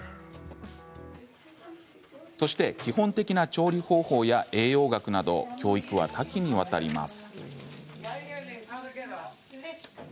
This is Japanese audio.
そして、基本的な調理方法や栄養学など教育は多岐にわたります。